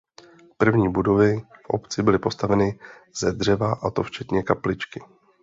První budovy v obci byly postaveny ze dřeva a to včetně kapličky.